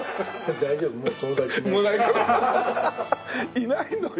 いないのよ